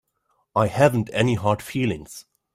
I haven't any hard feelings.